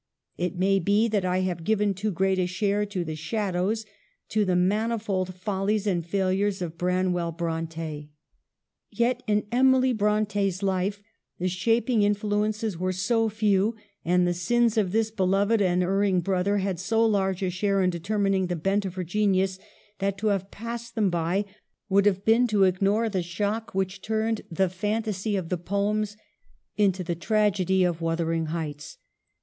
It may be that I have given too great a share to the shadows, to the manifold follies and failures of Bran well Bronte. Yet in Emily Bronte's life the shaping influences were so few, and the sins of this be loved and erring brother had so large a share in determining the bent of her genius, that to have passed them by would have been to ignore the 8 EMILY BRONTE. shock which turned the fantasy of the ' Poems ' into the tragedy of ' Wuthering Heights.'